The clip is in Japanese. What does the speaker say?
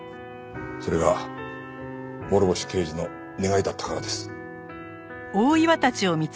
それが諸星刑事の願いだったからです。